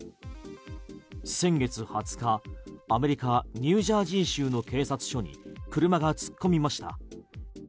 先月２０日アメリカ・ニュージャージー州の警察署に車が突っ込みました。